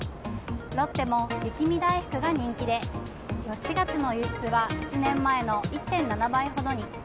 ロッテも雪見だいふくが人気で４月の輸出は１年前の１．７倍ほどに。